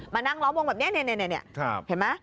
นั่งล้อมวงแบบนี้เห็นไหม